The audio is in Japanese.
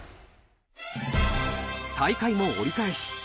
大会も折り返し。